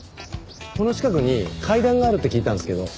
この近くに階段があるって聞いたんですけど。